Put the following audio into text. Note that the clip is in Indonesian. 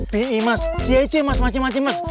bidin mas dia itu yang mas masi masi mas